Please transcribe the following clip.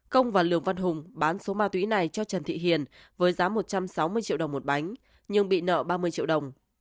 công và lường văn hùng bán số ma túy này cho trần thị hiền với giá một trăm sáu mươi triệu đồng một bánh nhưng bị nợ ba mươi triệu đồng